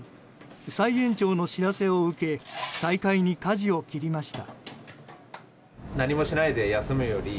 再延長の知らせを受け再開にかじを切りました。